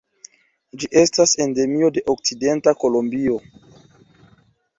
Ĝi estas endemio de okcidenta Kolombio.